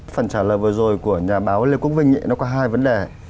phần trả lời vừa rồi của nhà báo lê quốc vinh nó có hai vấn đề